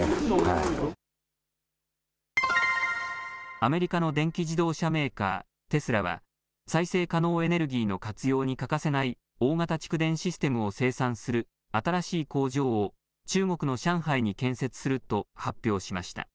アメリカの電気自動車メーカー、テスラは、再生可能エネルギーの活用に欠かせない大型蓄電システムを生産する新しい工場を、中国の上海に建設すると発表しました。